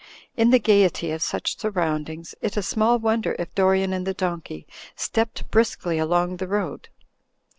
In the gaiety of such surroundings, it is small won der if Dorian and the donkey stepped briskly along the road.